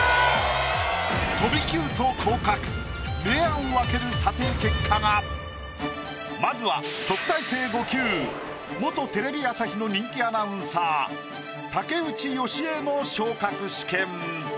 飛び級と降格まずは特待生５級元テレビ朝日の人気アナウンサー竹内由恵の昇格試験。